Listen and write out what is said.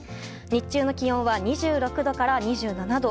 日中の気温は２６度から２７度。